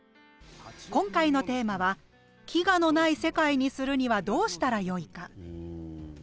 今回のテーマは「飢餓のない世界にするにはどうしたらよいか」。